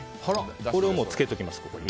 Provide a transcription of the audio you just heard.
これを漬けておきます。